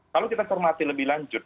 kalau kita termasih lebih lanjut